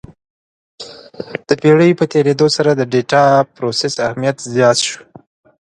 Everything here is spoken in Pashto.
د پېړیو په تېرېدو سره د ډیټا پروسس اهمیت زیات شو.